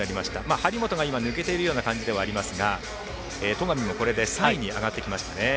張本が抜けている感じではありますが戸上もこれで３位に上がってきましたね。